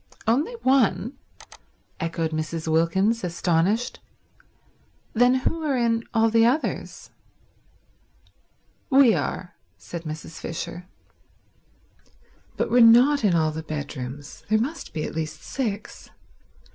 "Only one?" echoed Mrs. Wilkins, astonished. "Then who are in all the others?" "We are," said Mrs. Fisher. "But we're not in all the bedrooms. There must be at least six.